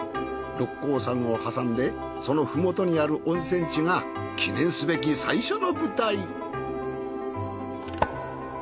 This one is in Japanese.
六甲山を挟んでその麓にある温泉地が記念すべき最初の舞台。